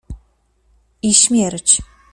I śmierć.